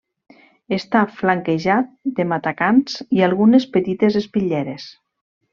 Està flanquejat de matacans i algunes petites espitlleres.